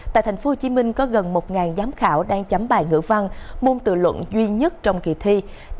tại tp hcm có gần một giám khảo đang chấm bài ngữ văn môn tự luận duy nhất trong kỳ thi